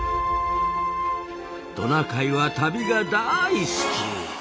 トナカイは旅が大好き！